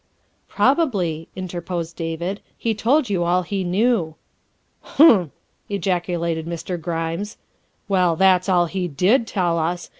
" Probably," interposed David, " he told you all he knew. '' ''Humph!" ejaculated Mr. Grimes. "Well, that's all he did tell us.